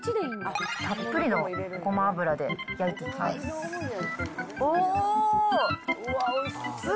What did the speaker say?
たっぷりのごま油で焼いていきます。